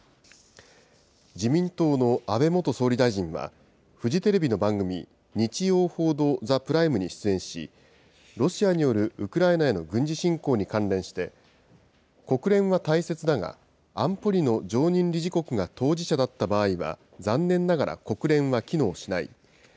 自民党の安倍元総理大臣は、フジテレビの番組、日曜報道ＴＨＥＰＲＩＭＥに出演し、ロシアによるウクライナへの軍事侵攻に関連して、国連は大切だが、安保理の常任理事国が当事者だった場合は、残念ながら国連は機能しない。